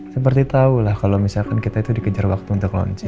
seperti tahu lah kalau misalkan kita itu dikejar waktu untuk launching